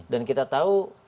dan kita tahu